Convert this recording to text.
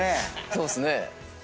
そうっすね。